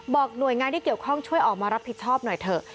หน่วยงานที่เกี่ยวข้องช่วยออกมารับผิดชอบหน่อยเถอะ